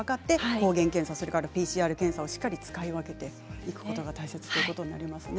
抗原検査ＰＣＲ検査をしっかり使い分けていくことが大切になりますね。